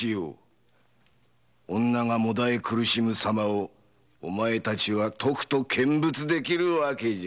女がもだえ苦しむ様をお前たちは見物できる訳じゃ。